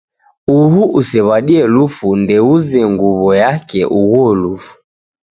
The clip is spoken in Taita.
Uhu usew'adie lufu ndeuze nguw'o yake ughuo lufu.